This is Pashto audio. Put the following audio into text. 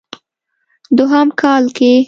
دوهم کال کې